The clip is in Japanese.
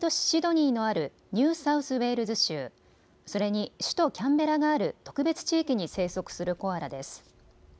シドニーのあるニューサウスウェールズ州、それに首都キャンベラがある特別地域に生息するコアラです。